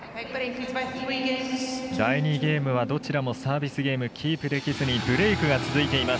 第２ゲームはどちらもサービスゲームキープできずにブレークが続いています